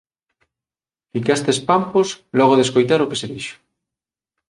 Ficastes pampos logo de escoitar o que se dixo